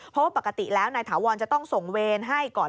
เพราะว่าปกติแล้วนายถาวรจะต้องส่งเวรให้ก่อน